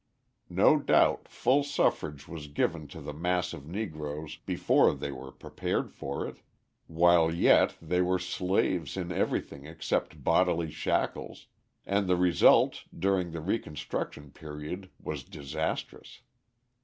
No doubt full suffrage was given to the mass of Negroes before they were prepared for it, while yet they were slaves in everything except bodily shackles, and the result during the Reconstruction period was disastrous.